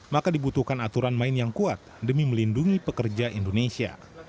maka dibutuhkan aturan main yang kuat demi melindungi pekerja indonesia